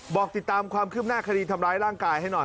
บอกติดตามความคืบหน้าคดีทำร้ายร่างกายให้หน่อย